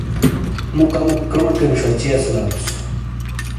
مُو کمیک کرومے کینی ݜچی اسیلا لوس۔